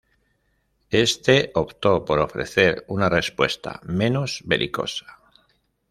Este optó por ofrecer una respuesta menos belicosa.